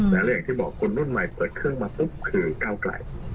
และอย่างที่บอกคนรุ่นใหม่เปิดเครื่องมาปุ๊บคือก้าวไกล